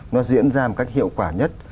nó diễn ra một cách hiệu quả nhất